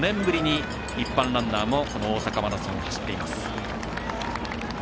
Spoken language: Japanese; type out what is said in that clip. ４年ぶりに一般ランナーも大阪マラソンを走っています。